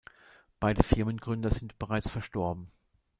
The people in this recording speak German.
Beide Firmengründer sind bereits verstorben.